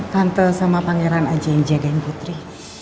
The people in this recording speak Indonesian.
tante sama pangeran aja yang jagain putri